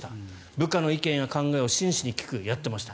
部下の意見や考えを真摯に聞くやってました。